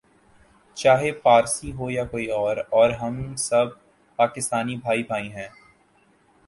چاہے پارسی ہو یا کوئی اور ہم سب پاکستانی بھائی بھائی ہیں